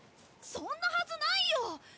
そんなはずないよ！